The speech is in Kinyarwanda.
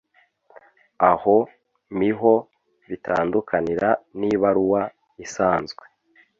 Aho miho bitandukanira n’ibaruwa isanzwe,